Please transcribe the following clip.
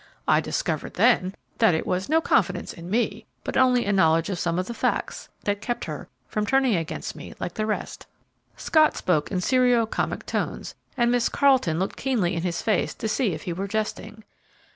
I discovered, then, that it was no confidence in me, but only a knowledge of some of the facts, that kept her from turning against me like the rest." Scott spoke in serio comic tones, and Miss Carleton looked keenly in his face to see if he were jesting.